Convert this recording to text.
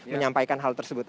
menyampaikan hal tersebut